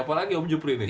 apalagi ya om jupri nih